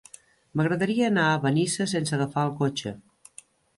M'agradaria anar a Benissa sense agafar el cotxe.